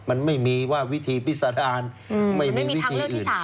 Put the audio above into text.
มันไม่มีว่าวิธีพิษดารไม่มีวิธีอื่น